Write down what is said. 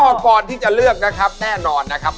อุปกรณ์ที่จะเลือกนะครับแน่นอนนะครับ